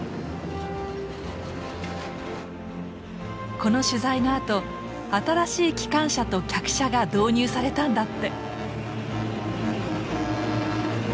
この取材のあと新しい機関車と客車が導入されたんだって。